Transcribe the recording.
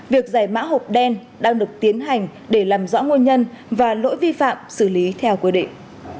việc giải mã hộp đen đang được tiến hành để làm rõ nguồn nhân và lỗi vi phạm xử lý theo quy định